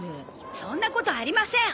そんなことありません。